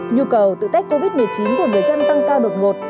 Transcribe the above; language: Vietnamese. nhu cầu tự tách covid một mươi chín của người dân tăng cao đột ngột